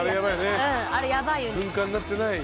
軍艦になってない。